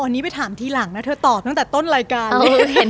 อันนี้ไปถามทีหลังนะเธอตอบตั้งแต่ต้นรายการเลย